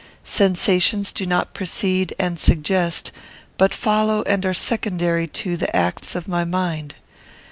Sensations do not precede and suggest, but follow and are secondary to, the acts of my mind.